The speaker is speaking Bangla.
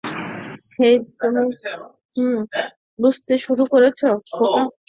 হেই, তুমি বুঝতে শুরু করেছো, খোকা।